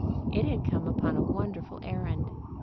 It had come on a wonderful errand.